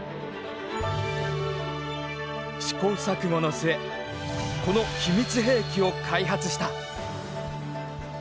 試行錯誤の末この秘密兵器を開発した。